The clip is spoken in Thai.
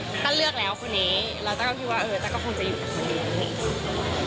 ตั้นเลือกแล้วคนนี้เราตั้งคิดว่าตั้งคงจะอยู่กับคนนี้